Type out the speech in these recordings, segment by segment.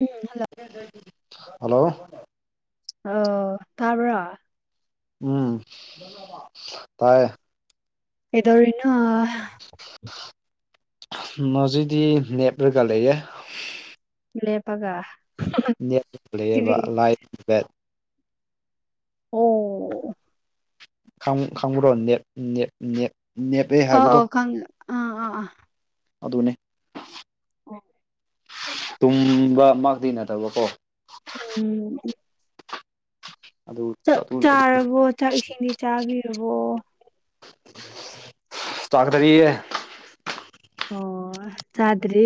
ꯎꯝ hello hello ꯑ ꯇꯥꯕ꯭ꯔꯥ ꯎꯝ ꯇꯥꯏꯌꯦ ꯀꯩꯗꯧꯔꯤ ꯅꯣ ꯍꯧꯖꯤꯗꯤ ꯂꯦꯞꯂꯒ ꯂꯩꯌꯦ ꯂꯦꯄꯒ ꯂꯩꯄꯒ ꯂꯩꯌꯦꯕꯥ ꯂꯥꯏꯠ ꯕꯦꯠ ꯑꯣ ꯈ ꯈꯉꯨꯔꯣ ꯅꯦꯠ ꯅꯦꯠ ꯅꯦꯠ ꯅꯦꯞꯑꯦ ꯑ ꯍꯥꯏꯕꯗꯣ ꯑꯣ ꯈꯪ ꯑꯥ ꯑꯥ ꯑꯗꯨꯅꯦ ꯑꯥ ꯇꯨꯝꯕ ꯃꯛꯇꯤ ꯅꯠꯇꯕꯀꯣ ꯎꯝ ꯑꯗꯨ ꯆꯥꯛ ꯆꯥꯔꯕꯣ ꯆꯥꯛ ꯏꯁꯤꯡꯗꯤ ꯆꯥꯕꯤꯔꯕꯣ ꯆꯥꯗꯥꯔꯤꯌꯦ ꯑꯣ ꯆꯥꯗ꯭ꯔꯤ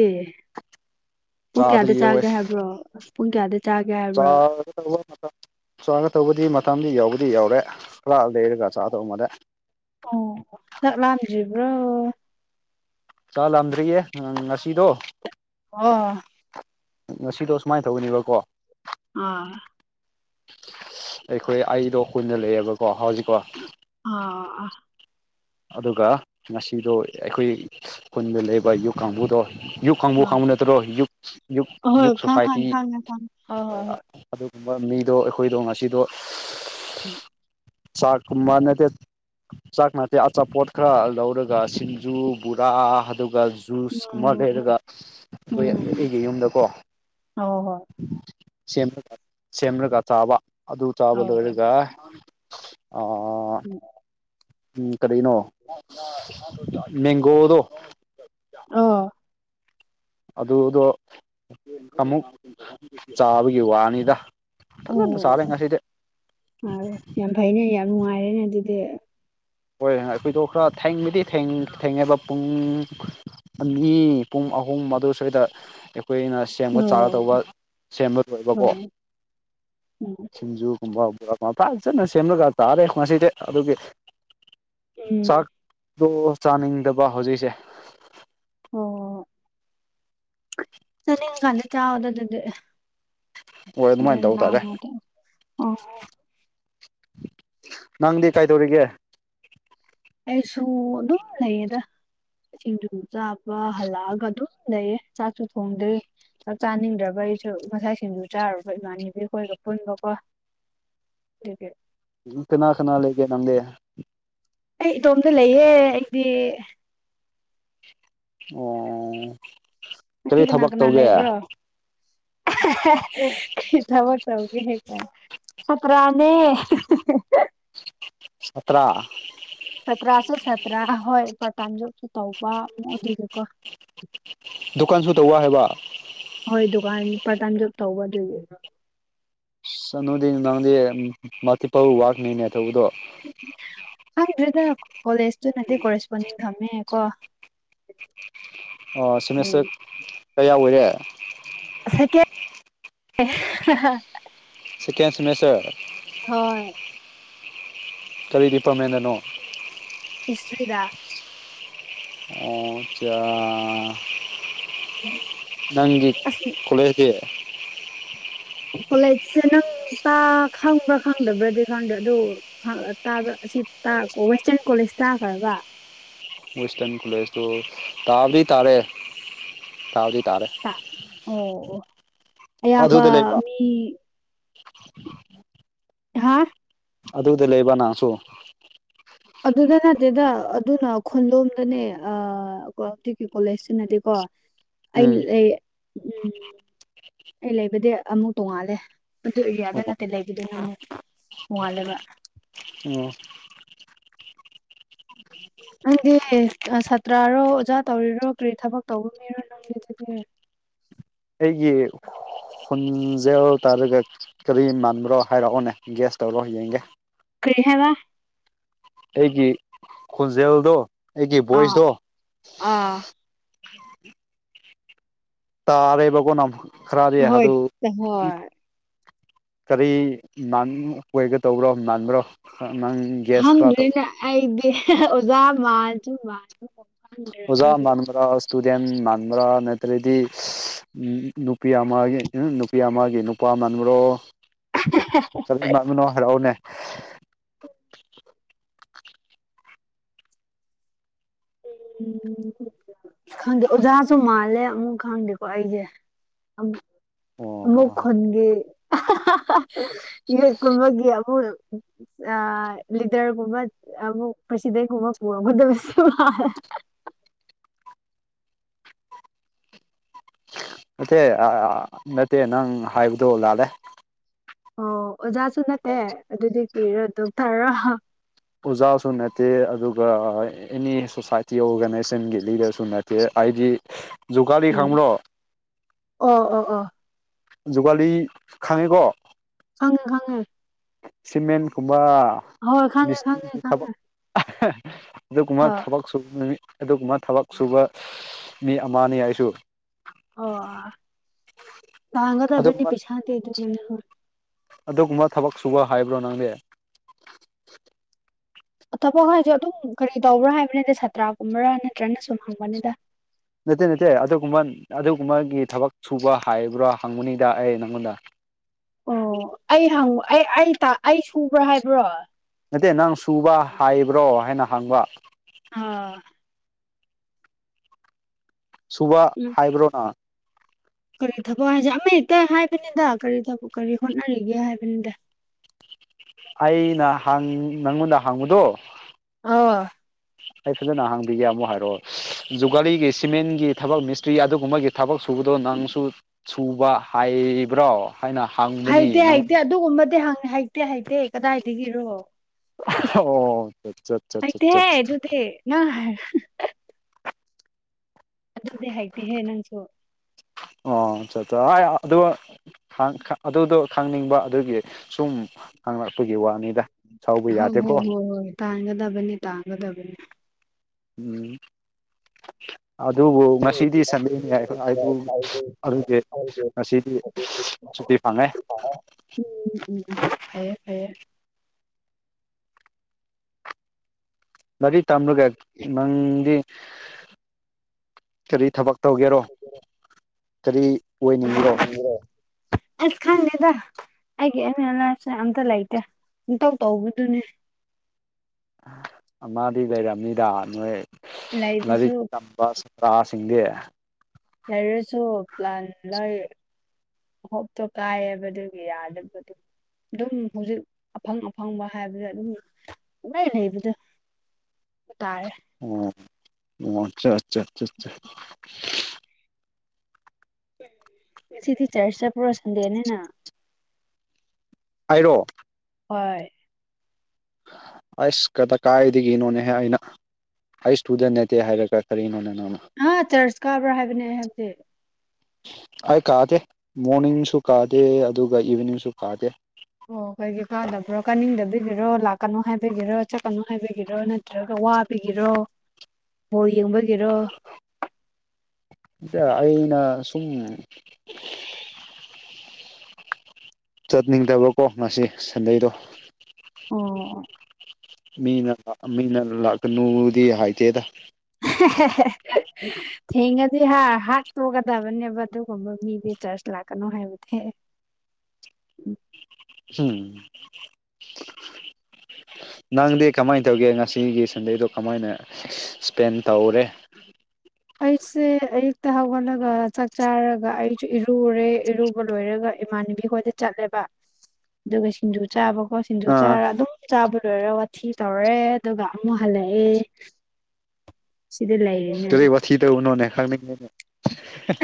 ꯄꯨꯡ ꯀꯌꯥꯗ ꯆꯥꯗ꯭ꯔꯤꯌꯦ ꯆꯥꯒꯦ ꯍꯥꯏꯕ꯭ꯔꯣ ꯄꯨꯡ ꯀꯌꯥꯗ ꯆꯥꯒꯦ ꯍꯥꯏꯕ꯭ꯔꯣ ꯆꯔ ꯆꯥꯒ ꯊꯧꯕꯗꯤ ꯃꯇꯝꯗꯤ ꯌꯥꯎꯕꯗꯤ ꯌꯥꯎꯔꯦ ꯉꯥꯏꯍꯥꯛ ꯂꯩꯔꯒ ꯆꯥꯗꯧ ꯃꯥꯜꯂꯦ ꯑꯣ ꯆꯥꯛ ꯂꯝꯗ꯭ꯔꯤꯕ꯭ꯔꯣ ꯆꯥꯛ ꯂꯝꯗꯔ꯭ꯤꯌꯦ ꯉꯁꯤꯗꯣ ꯑꯣ ꯉꯁꯤꯗꯣ ꯁꯨꯃꯥꯏꯅ ꯇꯧꯅꯦꯕꯀꯣ ꯑꯥ ꯑꯩꯈꯣꯏ ꯑꯩꯗꯣ ꯀꯨꯏꯅ ꯂꯩꯌꯦꯕꯀꯣ ꯍꯧꯖꯤꯛ ꯑ ꯑꯗꯨꯒ ꯉꯁꯤꯗꯣ ꯑꯩꯈꯣꯏ ꯈꯨꯟꯗ ꯂꯩꯕ ꯌꯨ ꯀꯥꯡꯕꯨꯗꯣ ꯌꯨꯛ ꯀꯥꯡꯕꯨ ꯎꯝ ꯈꯪꯕ ꯅꯠꯇ꯭ꯔꯣ ꯌꯨꯛ ꯑꯍꯣꯏ ꯌꯨꯛ ꯈꯪ ꯈꯪ ꯁꯣꯁꯥꯏꯇꯤ ꯈꯪꯉꯦ ꯈꯪꯉꯦ ꯍꯣꯏ ꯍꯣꯏ ꯍꯣꯏ ꯁꯨꯝ ꯃꯤꯗꯣ ꯑꯩꯈꯣꯏꯗꯣ ꯉꯁꯤꯗꯣ ꯆꯥꯛ ꯑꯃꯥ ꯅꯠꯇꯦ ꯆꯅꯥ ꯑꯦ ꯑꯆꯥꯄꯣꯠ ꯈꯔ ꯂꯧꯔꯒ ꯁꯤꯡꯖꯨ ꯕꯣꯔꯥ ꯑꯗꯨꯒ ꯎꯝ ꯖꯨꯁ ꯀꯨꯝꯕ ꯂꯩꯔꯒ ꯎꯝ ꯎꯝ ꯑꯩꯈꯣꯏ ꯎꯝ ꯑꯩꯒꯤ ꯌꯨꯝꯗꯀꯣ ꯍꯣꯏ ꯍꯣꯏ ꯁꯦꯝꯒ ꯁꯦꯝꯂꯒ ꯆꯥꯕ ꯑꯗꯨ ꯆꯥꯕ ꯂꯣꯏꯔꯒ ꯑꯥ ꯎꯝ ꯎꯝ ꯀꯔꯤꯅꯣ ꯃꯦꯡꯒꯣ ꯗꯣ ꯑ ꯑꯗꯨꯗꯣ ꯑꯃꯨꯛ ꯆꯥꯕꯒꯤ ꯋꯥꯅꯤꯗ ꯁꯕ ꯌꯦ ꯑꯣ ꯉꯁꯤꯗꯦ ꯃ ꯑꯔꯅꯦ ꯑꯗꯨꯗꯤ ꯍꯣꯏ ꯊꯣꯏꯗꯣꯛꯈ꯭ꯔ ꯊꯦꯡꯕꯗꯤ ꯊꯦꯡꯅꯩꯕ ꯄꯨꯡ ꯑꯅꯤ ꯄꯨꯡ ꯑꯍꯨꯝ ꯑꯗꯨ ꯁ꯭ꯋꯥꯏꯗ ꯑꯩꯈꯨꯏꯅ ꯁꯦꯝꯕ ꯆꯥꯒꯗꯧꯕ ꯎꯝ ꯁꯦꯝꯕ ꯂꯣꯏꯕꯀꯣ ꯁꯤꯡꯖꯨꯒꯨꯝꯕ ꯒ ꯄꯥꯛꯖꯅ ꯁꯦꯝꯂꯒ ꯇꯥꯔꯦ ꯉꯁꯤꯗꯤ ꯑꯗꯨꯒꯤ ꯎꯝ ꯑꯣ ꯆꯥꯅꯤꯡꯗꯕ ꯍꯧꯖꯤꯛꯁꯦ ꯆꯅꯤꯤꯡ ꯀꯂꯦ ꯆꯥꯗꯗꯗꯤ ꯍꯣꯏ ꯑꯗꯨꯃꯥꯏꯅ ꯇꯧꯕ ꯇꯥꯔꯦ ꯑꯣ ꯅꯪꯗꯤ ꯀꯥꯏꯗꯧꯔꯤꯒꯦ ꯑꯩꯁꯨ ꯑꯗꯨꯝ ꯂꯩꯌꯦꯗ ꯁꯤꯡꯖꯨ ꯆꯥꯕ ꯍꯜꯂꯛꯑꯒ ꯑꯗꯨꯝ ꯂꯩꯌꯦ ꯆꯥꯛꯁꯨ ꯊꯣꯡꯗ꯭ꯣꯏ ꯆꯥꯛ ꯆꯥꯅꯤꯡꯗ꯭ꯔꯕ ꯑꯩꯁꯨ ꯃꯁꯥꯏꯁꯤꯡꯁꯨ ꯆꯥꯔꯨꯕ ꯏꯃꯥꯟꯅꯕꯤ ꯑꯩꯈꯣꯏꯒ ꯄꯨꯟꯕꯀꯣ ꯍꯦ ꯎ ꯀꯅꯥ ꯈꯅꯥ ꯂꯩꯒꯦ ꯅꯪꯦ ꯑꯩ ꯏꯇꯣꯝꯇ ꯂꯩꯌꯦ ꯑꯩꯗꯤ ꯑꯣ ꯍꯥꯏꯗꯤ ꯀꯔꯤ ꯀꯅꯥ ꯊꯕꯛ ꯀꯅꯥ ꯇꯧꯒꯦ ꯂꯩꯕ꯭ꯔꯣ ꯊꯕꯛ ꯇꯧꯒꯦ ꯍꯦ ꯀ ꯄꯇꯔꯥꯅꯦ ꯁꯇ꯭ꯔꯥ ꯁꯥꯇ꯭ꯔꯥꯁꯨ ꯁꯥꯠꯇ꯭ꯔꯥ ꯍꯣꯏ ꯄꯇꯝꯖꯁꯨ ꯇꯧꯕ ꯑꯃꯗꯦꯀꯣ ꯗꯨꯀꯥꯟꯁꯨ ꯇꯧꯧꯕ ꯍꯥꯏꯕ ꯍꯣꯏ ꯗꯨꯀꯥꯟ ꯄꯥꯔꯠ ꯇꯥꯏꯝ ꯖꯣꯕ ꯇꯧꯕ ꯑꯗꯨꯏꯗꯤ ꯁ ꯅꯗꯤ ꯅꯪꯗꯤ ꯃꯊꯤꯐ ꯋꯥꯛꯅꯤꯅꯦ ꯊꯧꯕꯗꯣ [inaudible] ꯈꯪꯗ꯭ꯔꯦꯗ ꯀꯣꯂꯦꯖꯇꯨꯅꯗꯤ ꯀꯣꯔꯦꯁꯄꯣꯟꯗꯤꯡ ꯊꯝꯃꯦꯀꯣ ꯑꯣ ꯁꯤꯃꯦꯁꯇꯔ ꯀꯌꯥꯌꯥꯎꯏꯔꯦ [unintelligible] ꯁꯀꯦꯟ ꯁꯤꯦꯃꯦꯁꯇꯔ ꯍꯣꯏ ꯀꯔꯤ ꯗꯤꯄꯥꯔꯠꯃꯦꯟꯗꯅꯣ ꯍꯤꯁꯇ꯭ꯔꯤꯗ ꯑꯣ ꯆꯥ ꯅꯪꯒꯤ ꯑꯁ ꯀꯂꯦꯗꯤꯦ ꯀꯣꯂꯦꯖꯁꯦ ꯅꯪ ꯇꯥ ꯈꯪꯕ꯭ꯔꯥ ꯈꯪꯗꯕ꯭ꯔꯗꯤ ꯈꯪꯗ꯭ꯔꯦ ꯑꯗꯨꯥꯕ꯭ꯔꯥ ꯑꯁꯤ ꯇꯣ ꯋꯦꯁꯇꯔꯟ ꯀꯣꯂꯦꯖ ꯇꯥꯈ꯭ꯔꯕ ꯋꯦꯁꯇꯔꯟ ꯀꯣꯂꯦꯖ ꯇ ꯇꯥꯕꯗꯤ ꯇꯥꯔꯦ ꯇꯥꯕꯗꯤ ꯇꯥꯔꯦ ꯇꯥ ꯑꯣ ꯑꯌꯥꯝꯕ ꯑꯗꯨꯗ ꯂꯩꯕ ꯃꯤ ꯍꯥꯥ ꯑꯗꯨꯗꯤ ꯂꯩꯕꯅꯁꯨ ꯑꯗꯨꯗ ꯅꯠꯇꯦꯗ ꯑꯗꯨꯅ ꯈꯨꯣꯟꯂꯣꯝꯗꯅꯦ ꯍꯧꯖꯤꯛꯀꯤ ꯀꯣꯂꯦꯖꯇ ꯅꯠꯇꯦꯀꯣ ꯑ ꯑ ꯑꯩ ꯂꯩꯕꯗꯤ ꯑꯃꯨꯛ ꯇꯣꯡꯉꯥꯜꯂꯦ ꯑꯗꯨ ꯑꯦꯔꯤꯌꯥꯗ ꯑꯣ ꯅꯠꯇꯦ ꯂꯩꯕꯗꯣꯏꯅ ꯑꯃꯨꯛ ꯃꯥꯂꯕ ꯎꯝ ꯅꯪꯗꯤ ꯁꯥꯇ꯭ꯔꯔꯣ ꯑꯣꯖꯥ ꯇꯧꯔꯤꯔꯣ ꯀꯔꯤ ꯊꯕꯛ ꯇꯧꯕ ꯃꯤꯔꯣ ꯅꯪꯒꯦ ꯑꯗꯨꯗꯤ [inaudible] ꯑꯩꯒꯤ ꯍꯨꯟꯖꯦꯜꯨ ꯇꯥꯔꯒ ꯀꯔꯤ ꯃꯥꯟꯕ꯭ꯔꯣ ꯍꯥꯏꯔꯛꯑꯣꯅꯦ ꯒ꯭ꯌꯥꯁ ꯇꯧꯔꯣ ꯌꯦꯡꯒꯦ ꯀꯔꯤ ꯍꯥꯏꯕ ꯑꯩꯒꯤ ꯈꯣꯟꯖꯦꯜꯗꯣ ꯑꯩꯒꯤ ꯑꯥ ꯚꯣꯏꯁꯇꯣ ꯑꯥ ꯇꯥꯔꯦꯕꯀꯣ ꯅ ꯈꯔꯗꯤ ꯍꯣꯏ ꯑꯗꯨ ꯍꯣꯏ ꯀꯔꯤ ꯃ ꯑꯣꯏꯒ ꯇꯧꯕ꯭ꯔꯣ ꯃꯥꯟꯕ꯭ꯔꯣ ꯅꯪ ꯒ꯭ꯌꯥꯁ ꯈꯔ ꯍꯪ꯭ꯔꯦ ꯇꯧ ꯑꯩꯗꯤ ꯑꯣꯖꯥ ꯃꯥꯖꯨ ꯃꯥ ꯑꯣꯖꯥ ꯃꯥꯟꯃꯔ ꯁꯇꯨꯗꯦꯟ ꯃꯥꯟꯃꯔꯥ ꯅ ꯑꯗꯩꯗꯤ ꯅꯨꯄꯤ ꯑꯃꯒꯤ ꯅꯨꯄꯤ ꯑꯃꯒꯤ ꯅꯨꯄꯥ ꯃꯥꯟꯕꯣ ꯆꯂ ꯏꯃꯃꯤꯅꯣ ꯍꯥꯏꯔꯛꯑꯣꯅꯦ ꯎꯝ ꯈꯨ ꯈꯪꯗꯦ ꯑꯣꯖꯥꯁꯨ ꯃꯥꯜꯂꯦ ꯑꯃꯨꯛ ꯈꯪꯗꯦꯀꯣ ꯑꯩꯁꯦ ꯑꯃꯨꯛ ꯑꯣ ꯈꯒ ꯌꯨ ꯀꯨꯝꯕꯒꯤ ꯑꯃꯨꯛ ꯂꯤꯗꯔꯒꯨꯝꯕ ꯑꯃꯨꯛ ꯄ꯭ꯔꯁꯤꯗꯦꯟ ꯃ ꯀꯕꯨꯗꯦꯁ ꯅꯠꯇꯦ ꯅꯠꯇꯦ ꯅꯪ ꯍꯥꯏꯕꯗꯣ ꯂꯥꯜꯂꯦ ꯑꯣ ꯑꯣꯖꯥꯁꯨ ꯅꯠꯇꯦ ꯑꯗꯨꯗꯤ ꯀꯔꯤꯔꯣ ꯑꯗꯨ ꯇꯥꯔ ꯑꯣꯖꯥꯁꯨ ꯅꯠꯇꯦ ꯑꯗꯨꯒ ꯑꯦꯅꯤ ꯁꯣꯁꯥꯏꯇꯤ ꯑꯣꯔꯒꯅꯥꯏꯖꯦꯁꯟꯒꯤ ꯂꯤꯗꯔꯁꯨ ꯅꯠꯇꯦ ꯑꯩꯗꯤ ꯖꯨꯒꯥꯂꯤ ꯎꯝ ꯈꯪꯕ꯭ꯔꯣ ꯑꯣ ꯑꯣ ꯑꯣ ꯖꯨꯒꯥꯂꯤ ꯈꯉꯦꯀꯣ ꯈꯪꯉꯦ ꯈꯪꯉꯦ ꯁꯤꯃꯦꯟ ꯀꯨꯝꯕ ꯍꯣꯏ ꯈꯪꯉꯦ ꯈꯪꯉꯦ ꯃꯤꯁꯇ꯭ꯔꯤꯁꯤ ꯈꯪꯉꯦ ꯊꯕꯛ ꯑꯗꯨꯒꯨꯝꯕ ꯍꯣꯏ ꯊꯕꯛ ꯁꯨꯕ ꯅꯨꯃꯤ ꯑꯗꯨꯒꯨꯝꯕ ꯊꯕꯛ ꯁꯨꯕ ꯃꯤ ꯑꯃꯅꯤ ꯑꯩꯁꯨ ꯑꯣ ꯇꯥꯡꯒꯗꯕꯅꯤ ꯑꯗꯨꯒꯨꯝꯕ ꯄꯥꯗꯤ ꯑꯗꯨꯃꯤꯅ ꯍ ꯑꯗꯨꯒꯨꯝꯕ ꯊꯕꯛ ꯁꯨꯕ ꯍꯥꯏꯕ꯭ꯔꯣ ꯅꯪꯗꯤꯦ ꯊꯕꯛ ꯍꯥꯏꯁꯨ ꯑꯗꯨꯝ ꯀꯔꯤ ꯇꯧꯕ꯭ꯔꯥ ꯍꯥꯏꯕꯅꯤꯗ ꯁꯥꯇ꯭ꯔꯥꯒꯨꯝꯕꯔꯥ ꯅꯠꯇ꯭ꯔꯅ ꯁꯨꯝ ꯍꯪꯕꯅꯤꯗ ꯅꯠꯇꯦ ꯅꯠꯇꯦ ꯑꯗꯨꯒꯨꯝꯕ ꯑꯗꯨꯒꯨꯝꯕꯒꯤ ꯊꯕꯛ ꯁꯨꯕ ꯍꯥꯏꯕ꯭ꯔꯣ ꯍꯪꯕꯅꯤꯗ ꯑꯩ ꯅꯪꯉꯣꯟꯗ ꯑꯣ ꯑꯩ ꯍꯪ ꯑꯩ ꯑꯩ ꯁꯨꯕ꯭ꯔꯥ ꯍꯥꯏꯕ꯭ꯔꯣ ꯅꯠꯇꯦ ꯅꯪ ꯁꯨꯕ ꯍꯥꯏꯕ꯭ꯔꯣ ꯍꯥꯏꯅ ꯍꯪꯕ ꯑꯥ ꯁꯨꯕ ꯎꯝ ꯍꯥꯏꯕ꯭ꯔꯣꯅ ꯀꯔꯤ ꯊꯕꯛ ꯍꯥꯏꯁꯦ ꯑꯃ ꯍꯦꯛꯇ ꯍꯥꯏꯕꯅꯤꯗ ꯀꯔꯤ ꯊ ꯀꯔꯤ ꯍꯣꯠꯅꯔꯤꯒꯦ ꯍꯥꯏꯕꯅꯤꯗ [inaudible] ꯑꯩꯅ ꯍꯥꯡ ꯅꯪꯉꯣꯟꯗ ꯍꯥꯡꯕꯨꯗꯣ ꯑ ꯑꯩ ꯐꯖꯅ ꯍꯥꯡꯕꯤꯒꯦ ꯑꯃꯨꯛ ꯍꯥꯏꯔꯛꯑꯣ ꯖꯨꯒꯥꯂꯤꯒꯤ ꯁꯤꯃꯦꯟꯒꯤ ꯊꯕꯛ ꯃꯤꯁꯇ꯭ꯔꯤ ꯑꯗꯨꯒꯨꯝꯕꯒꯤ ꯊꯕꯛ ꯁꯨꯕꯗꯣ ꯅꯪꯁꯨ ꯁꯨꯕ ꯍꯥꯏ ꯍꯕ꯭ꯔꯣ ꯍꯩꯇꯦ ꯍꯩꯇꯦ ꯑꯗꯨꯒꯨꯝꯕꯗꯤ ꯍꯪꯉ ꯍꯩꯇꯦ ꯍꯩꯇꯦ ꯀꯗꯥꯏꯗꯒꯤꯔꯣ ꯑꯣ ꯆꯠ ꯆꯠ ꯆꯠ ꯑꯛꯇ ꯍꯦ ꯆꯠ ꯑꯗꯨꯗꯤ ꯑꯗꯨꯗꯦ ꯍꯥꯏꯇꯍꯦ ꯅꯪꯁꯨꯣ ꯑꯣ ꯆꯠꯇ ꯑꯗꯨ ꯑꯗꯨꯗꯣ ꯈꯪꯅꯤꯡꯕ ꯑꯗꯨꯒꯤ ꯁꯨꯝ ꯍꯥꯡꯪꯂꯛꯄꯒꯤ ꯋꯥꯅꯤ ꯍꯣ ꯍꯣ ꯍꯣ ꯍꯣꯏ ꯇꯥꯡꯒꯗꯕꯅꯤ ꯇꯥꯡꯒꯗꯕꯅꯤ ꯎꯝ ꯑꯗꯨꯕꯨ ꯉꯁꯤꯗꯤ ꯁꯟꯗꯦꯅꯤ ꯑꯩꯕꯨ ꯑꯗꯨꯗꯤ ꯉꯁꯤꯗꯤ ꯁꯨꯇꯤ ꯐꯥꯉꯦ ꯎꯝ ꯎꯝ ꯐꯩꯌꯦ ꯐꯩꯌꯦ ꯂꯥꯏꯔꯤꯛ ꯇꯝꯕꯔꯒ ꯅꯪꯗꯤ ꯀꯔꯤ ꯊꯕꯛ ꯇꯧꯒꯦꯔꯣ ꯀꯔꯤ ꯑꯣꯏꯅꯤꯡꯕ꯭ꯔꯣ ꯑꯁ ꯈꯥꯟꯗ‌ꯦꯗ ꯑꯩꯒꯤ ꯑꯦꯝ ꯏꯟ ꯂꯥꯏꯐꯁ‌ꯦ ꯑꯝꯇ ꯂꯩꯇꯦ ꯄꯪꯇꯧ ꯇꯧꯕꯗꯨꯅꯦ ꯑꯃꯗꯤ ꯂꯩꯔꯝꯃꯤꯗ ꯅꯣꯏ ꯂꯩꯕꯁꯨ ꯂꯥꯏꯔꯤꯛ ꯇꯝꯕ ꯆꯥꯁꯤꯡꯗꯤ ꯂꯩꯔꯁꯨ ꯄ꯭ꯂꯥꯟ ꯂꯥꯏ ꯍꯣꯞꯇꯣ ꯀꯥꯏꯑꯕ ꯑꯗꯨꯒꯤ ꯌꯥꯗꯕꯗꯨ ꯑꯗꯨꯝ ꯍꯧꯖꯤꯛ ꯑꯐꯪ ꯑꯐꯪꯕ ꯍꯥꯏꯕꯗ ꯑꯗꯨꯝꯂꯥꯏ ꯂꯩꯕꯗ ꯑꯣ ꯑꯣ ꯑꯆꯥ ꯑꯆꯥ ꯑ ꯉꯁꯤꯗꯤ ꯆꯥ꯭ꯔꯆ ꯆꯠꯄ꯭ꯔ‌ꯣ ꯁꯟꯗꯤꯅꯦ ꯅ ꯍꯥꯏꯔꯣ ꯍꯣꯏ ꯑꯁ ꯀꯗ ꯀꯥꯏꯗꯤꯒ ꯅꯣꯅꯦ ꯍꯥꯏ ꯑꯩꯅ ꯑꯩ ꯏꯁꯇꯨꯗꯦꯟ ꯅꯠꯇꯦ ꯍꯥꯏꯔꯒ ꯀꯔꯤꯅꯣ ꯅꯪ ꯑ ꯆꯥ꯭ꯔꯆ ꯀꯥꯕ꯭ꯔꯥ ꯍꯥꯏꯕꯅꯦ ꯑꯩ ꯍꯥꯏꯗꯤ ꯑꯩ ꯀꯥꯗꯦ ꯃꯣꯔꯅꯤꯡꯁꯨ ꯀꯥꯗꯦ ꯑꯗꯨꯒ ꯏꯚꯤꯅꯤꯡꯁꯨ ꯀꯥꯗꯦ ꯑꯣ ꯀꯩꯒꯤꯩ ꯀꯥꯗꯕ꯭ꯔꯣ ꯀꯥꯅꯤꯡꯗꯕꯤꯒꯤꯔꯣ ꯂꯥꯛꯀꯅꯣ ꯍꯥꯏꯕꯤꯒꯤꯔꯣ ꯆꯠꯀꯅꯨ ꯍꯥꯏꯕꯤꯒꯤꯔꯣ ꯅꯠꯇ꯭ꯔꯒ ꯋꯥꯕꯒꯤꯔꯣ ꯕ‌ꯣꯜ ꯌꯦꯡꯕꯒꯤꯔꯣ ꯏꯆ ꯑꯩꯩꯅ ꯁꯨꯝ ꯆꯠꯅꯤꯡꯗꯕꯀꯣ ꯉꯁꯤ ꯁꯟꯗ‌ꯦꯗꯣ ꯑꯣ ꯃꯤꯅ ꯃꯤꯅ ꯂꯥꯛꯀꯅꯨꯗꯤ ꯍꯥꯏꯇꯦꯗ ꯊꯦꯡꯉꯗꯤ ꯍꯥ ꯍꯥ ꯇꯣꯛꯀꯗꯕꯅꯦꯕ ꯑꯗꯨꯒꯨꯝꯕ ꯃꯤꯗꯤ ꯆꯠꯂꯦ ꯆꯥ꯭ꯔꯆ ꯂꯥꯛꯀꯅꯨ ꯍꯥꯏꯕꯗꯤ ꯎ ꯎꯝ [inaudible] ꯅꯪꯗꯤ ꯀꯃꯥꯏꯅ ꯇꯧꯒꯦ ꯉꯁꯤꯒꯤ ꯁꯟꯗꯦꯗꯣ ꯀꯃꯥꯏꯅ ꯏꯁꯄꯦꯟ ꯇꯧꯔꯦ ꯑꯩꯁꯦ ꯑꯌꯨꯛꯇ ꯍꯧꯒꯠꯂꯒ ꯆꯥꯛ ꯆꯥꯔꯒ ꯑꯩꯁꯨ ꯏꯔꯨꯔꯦ ꯏꯔꯨꯕ ꯂꯣꯏꯔꯒ ꯏꯃꯥꯟꯅꯕꯤ ꯈꯣꯏꯗ ꯆꯠꯂꯦꯕ ꯑꯗꯨꯒ ꯁꯤꯡꯖꯨ ꯆꯥꯕ ꯀ‌ꯣ ꯁꯤꯡꯖꯨ ꯑꯥ ꯆꯥꯔ ꯑꯗꯨꯝ ꯆꯥꯕ ꯂꯣꯏꯔ ꯋꯥꯊꯤ ꯇꯧꯔꯦ ꯑꯗꯨꯒ ꯑꯃꯨꯛ ꯍꯜꯂꯛꯑꯦ ꯁꯤꯗ ꯂꯩꯔꯤꯅꯦ ꯀꯔꯤ ꯑꯗꯨ ꯋꯥꯊꯤ ꯇꯧꯕꯅ‌ꯣꯅꯦ ꯈꯪꯅꯤꯡ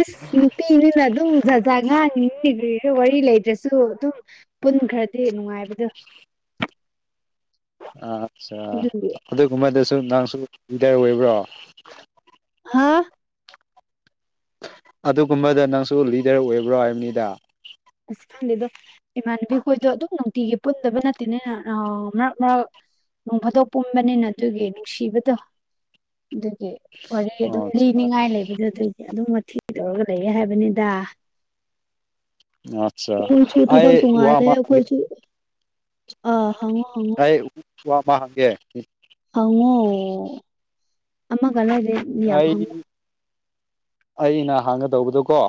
ꯑꯁ ꯅꯨꯄꯤ ꯅꯤꯅ ꯑꯗꯨꯝꯖꯖ ꯉꯥꯡ ꯅꯤꯒ ꯋꯥꯔꯤ ꯂꯩꯗ꯭ꯔꯁꯨ ꯑꯗꯨꯝ ꯄꯨꯟ ꯈꯔꯗꯤ ꯅꯨꯡꯉꯥꯏꯕꯗꯣ [unintelligible] ꯑꯥꯠꯆꯥ ꯑꯗꯨꯒꯤ ꯑꯗꯨꯒꯨꯝꯕꯗꯁꯨ ꯅꯪꯁꯨ ꯂꯤꯗꯔ ꯑꯣꯏꯕ꯭ꯔꯣ ꯍꯥꯥ ꯑꯗꯨꯒꯨꯝꯕꯗ ꯅꯪꯁꯨ ꯂꯤꯗꯔ ꯑꯣꯏꯕ꯭ꯔꯣ ꯍꯥꯏꯕꯅꯤꯗ ꯑꯀꯥꯟꯗꯤꯗꯣ ꯏꯃꯥꯟꯅꯕꯤꯈꯣꯏꯁꯨꯣ ꯑꯗꯨꯝ ꯅꯨꯡꯇꯤꯒꯤ ꯄꯨꯟꯗꯕ ꯅꯠꯇꯦꯅꯤꯅ ꯃꯔꯛ ꯃꯔꯛ ꯅꯣꯡ ꯐꯥꯠꯇꯣꯛ ꯄꯨꯝꯕꯅꯤꯅ ꯑꯗꯨꯒꯤ ꯅꯨꯡꯁꯤꯕꯗꯣ ꯑꯗꯨꯒꯤ ꯋꯥꯔꯤ ꯑꯗꯨꯝ ꯑꯠꯆꯥ ꯂꯤꯅꯤꯡꯉꯥꯏ ꯂꯩꯕꯗꯨ ꯑꯗꯨꯗꯤ ꯑꯗꯨꯝ ꯊꯤ ꯇꯧꯔꯒ ꯂꯩꯌꯦ ꯍꯥꯏꯕꯅꯤꯗ ꯑꯠꯆꯥ ꯀꯣꯏꯁꯨꯨ ꯊꯕꯛ ꯑꯩ ꯇꯣ ꯋꯥ ꯉꯜꯂꯦ ꯑꯃ ꯍꯪꯒꯦ ꯀꯣꯏꯁꯨ ꯑ ꯍꯪꯉ‌ꯣ ꯍꯪꯉ‌ꯣ ꯑꯩ ꯋꯥ ꯑꯃ ꯍꯪꯒꯦ ꯍꯪꯉꯣ ꯑꯃꯒ ꯂꯩꯔ ꯌꯥꯝ ꯑꯩ ꯍꯪꯉꯣ ꯑꯩꯅ ꯍꯥꯡꯒꯗꯧꯕꯗꯨꯣ ꯀꯣ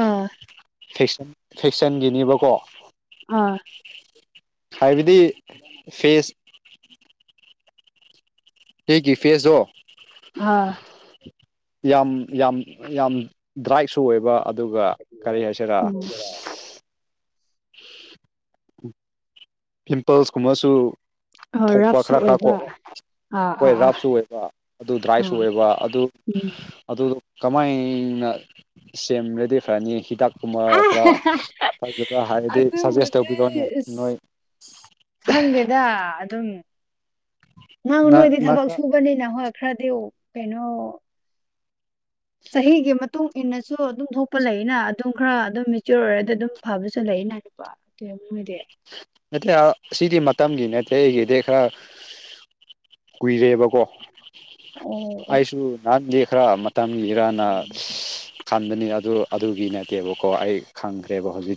ꯑꯥ ꯐ‌ꯦꯁꯟ ꯐꯦꯛꯁꯟꯒꯤꯅꯦꯕꯀꯣ ꯑꯥ ꯍꯥꯏꯕꯗꯤ ꯐꯦꯁ ꯍꯒꯤ ꯐꯦꯁꯁꯨꯣ ꯍꯥꯥ ꯌꯥꯝ ꯌꯥꯝ ꯌꯥꯝ ꯗ꯭ꯔꯥꯏꯁꯨ ꯑꯣꯏꯕ ꯑꯗꯨꯒ ꯀꯔꯤ ꯍꯥꯏꯁꯤꯔꯥ ꯎꯝ ꯄꯤꯝꯄꯜꯁꯀꯨꯝꯕꯁꯨ ꯑ ꯊꯣꯛꯄ ꯔꯐꯁꯨ ꯈꯔ ꯈꯔ ꯀꯣ ꯑꯣꯏꯕ ꯑꯥ ꯍꯣꯏ ꯑꯥ ꯑꯥ ꯔꯐꯁꯨ ꯑꯣꯏꯕ ꯑꯗꯨ ꯗ꯭ꯔꯥꯏꯁꯨ ꯑꯥ ꯑꯣꯏꯕ ꯑꯗꯨ ꯎꯝ ꯑꯗꯨ ꯀꯃꯥꯏꯅ ꯁꯦꯝꯔꯗꯤ ꯐꯔꯅꯤ ꯍꯤꯗꯥꯛꯀꯨꯝꯕ ꯈꯔ ꯐꯖꯕ ꯍꯥꯏꯔꯗꯤ ꯁꯖꯦꯁ ꯑꯗꯨꯕꯨꯗꯤ ꯇꯧꯕꯤꯔꯣꯅꯦ ꯅꯣꯏ ꯏꯁ ꯈꯪꯗꯦꯗ ꯑꯗꯨꯝ ꯅꯪ ꯅꯣꯏꯗꯤ ꯊꯕꯛ ꯁꯨꯕꯅꯤꯅ ꯍꯣꯏ ꯈꯈ꯭ꯔꯗ ꯀꯩꯅꯣ ꯁ ꯍꯤꯒꯤ ꯃꯇꯨꯡ ꯏꯟꯅꯁꯨ ꯑꯗꯨꯝ ꯊꯣꯛꯄ ꯂꯩꯌꯦꯅ ꯑꯗꯨꯝ ꯈꯔ ꯑꯗꯨꯝ ꯃꯦꯆꯌꯣꯔ ꯑꯣꯏꯔꯗꯤ ꯑꯗꯨꯝ ꯐꯕꯁꯨ ꯂꯩꯅ ꯅꯨꯀꯣ ꯑꯗꯨꯨꯡꯒꯤꯗꯤ ꯅꯠꯇꯦ ꯁꯤꯗꯤ ꯃꯇꯝꯒꯤ ꯅꯠꯇꯦ ꯑꯩꯒꯤꯗꯤ ꯈꯔ ꯀꯨꯏꯔꯦꯕ ꯀꯣ ꯑꯣ ꯑꯣ ꯑꯩꯁꯨ ꯅꯍꯥꯟꯗꯤ ꯈꯔ ꯃꯇꯝꯒꯤ ꯏꯔꯅ ꯑ ꯈꯟꯕꯅꯤ ꯑꯗꯨ ꯑꯗꯨꯒꯤ ꯅꯠꯇꯦꯕꯀꯣ ꯑꯩ ꯈꯪꯈ꯭ꯔꯦꯕ ꯍꯧꯖꯤꯛꯇꯤ